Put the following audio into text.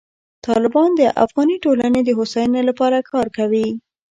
طالبان د افغاني ټولنې د هوساینې لپاره کار کوي.